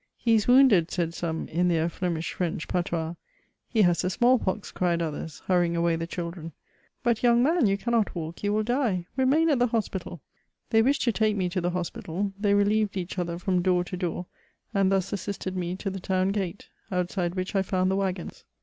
^' He is wounded," Buid some, in their Ffemish Frendb patois ; ^he has the small pox," cried others, hurrying away the d!uldr«i. ^' But, yoimg man, you cannot walk, you will die ; remain at tiie hospitaL'' They wished to take roe to the ho^ital, they relieyed each other from door to door, and thus assisted me to the town gate, outside which I firand the waggons.